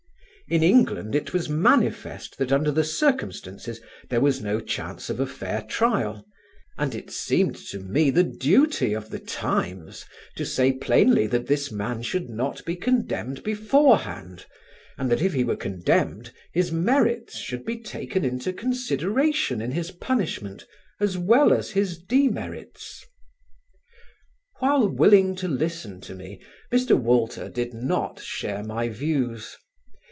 In England it was manifest that under the circumstances there was no chance of a fair trial, and it seemed to me the duty of The Times to say plainly that this man should not be condemned beforehand, and that if he were condemned his merits should be taken into consideration in his punishment, as well as his demerits. While willing to listen to me, Mr. Walter did not share my views.